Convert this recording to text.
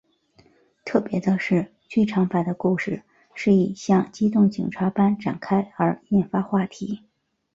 特别的是剧场版的故事是以像机动警察般展开而引发话题。